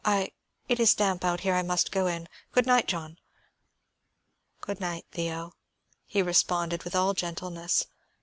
I It is damp out here; I must go in. Good night, John." "Good night, Theo," he responded with all gentleness.